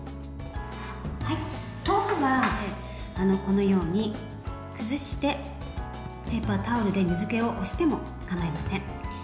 豆腐は、このように崩してペーパータオルで水けを押してもかまいません。